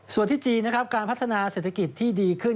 ส่วนที่จีนนะครับการพัฒนาเศรษฐกิจที่ดีขึ้น